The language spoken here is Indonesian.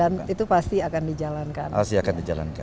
dan itu pasti akan dijalankan